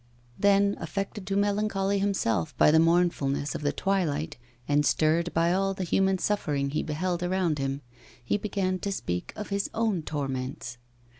Then, affected to melancholy himself by the mournfulness of the twilight, and stirred by all the human suffering he beheld around him, he began to speak of his own torments.